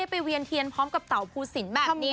ได้ไปเวียนเทียนพร้อมกับเตาพู่ศิลป์แบบนี้